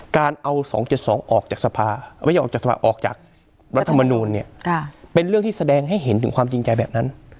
การเอา๒๗๒ออกจากรัฐมนูลเนี่ยเป็นเรื่องที่แสดงให้เห็นถึงความจริงใจแบบนั้น